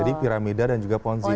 jadi piramida dan juga ponzi